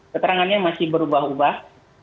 karena masih berubah ubah